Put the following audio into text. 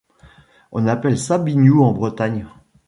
On appelle ça biniou en Bretagne.